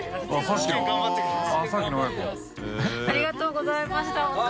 ありがとうございました本当に。